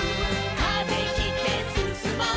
「風切ってすすもう」